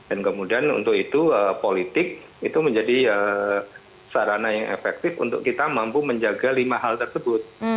kemudian untuk itu politik itu menjadi sarana yang efektif untuk kita mampu menjaga lima hal tersebut